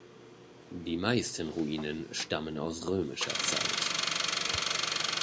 Die meisten Ruinen stammen aus römischer Zeit.